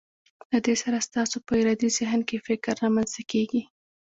له دې سره ستاسو په ارادي ذهن کې فکر رامنځته کیږي.